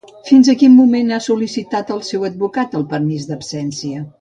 Fins a quin moment ha sol·licitat el seu advocat el permís d'absència?